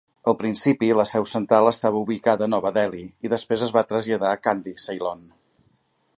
Al principi, la seu central estava ubicada a Nova Delhi, i després es va traslladar a Kandy, Ceylon.